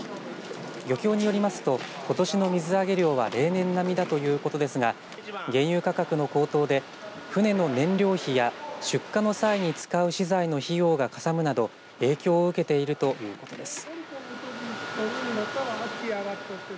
漁協によりますとことしの水揚げ量は例年並みだということですが原油価格の高騰で、船の燃料費や出荷の際に使う資材の費用がかさむなど影響を受けているということです。